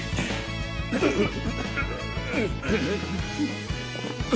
うっ。